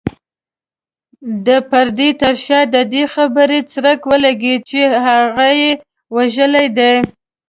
د پردې تر شا د دې خبرې څرک ولګېد چې هغه يې وژلې ده.